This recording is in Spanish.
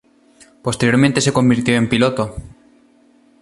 Posteriormente se convirtió en piloto.